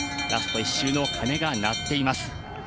ラスト１周の鐘がなっています。